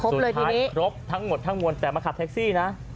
คันนี้ครบทั้งหมดทั้งมวลแต่มาขับแท็กซี่นะ